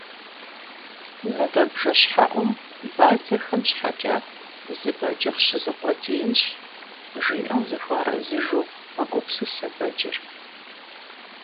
«Мывэ бжэщхьэӀум бадзэхэм щхьэкӀэ зы бэджыхъ щызукъуэдиинщ, - жиӀэу зыхуэарэзыжу мэгупсысэ бэджыр.